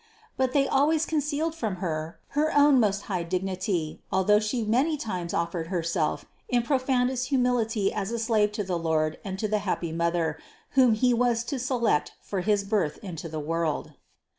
But they always concealed from Her her own most high dignity, although She many times offered Herself in profoundest humility as 512 CITY OF GOD a slave to the Lord and to the happy Mother, whom He was to select for his birth into the world.